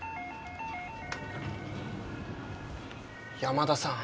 山田さん。